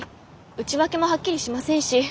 内訳もはっきりしませんし。